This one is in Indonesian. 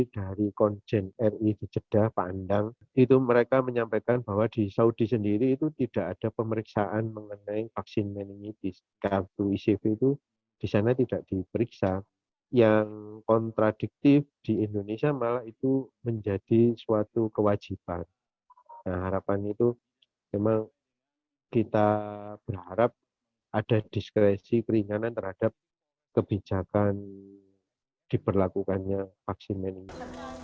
di suatu kewajiban harapan itu memang kita berharap ada diskresi keringanan terhadap kebijakan diberlakukannya vaksin meningitis